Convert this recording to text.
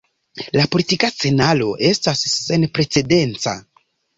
La politika scenaro estas senprecedenca.